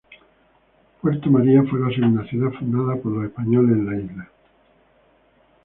Puerto María fue la segunda ciudad fundada por los españoles en la isla.